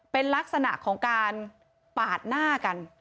เป็นลักษณะของการปาดหน้ากัน